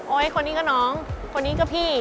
คนนี้ก็น้องคนนี้ก็พี่